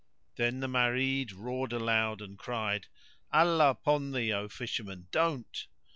Then the Marid roared aloud and cried, "Allah upon thee, O Fisherman, don't!